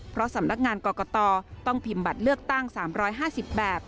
เพราะสำนักงานกรกตต้องพิมพ์บัตรเลือกตั้ง๓๕๐แบบ